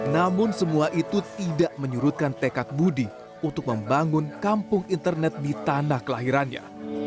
namun semua itu tidak menyurutkan tekad budi untuk membangun kampung internet di tanah kelahirannya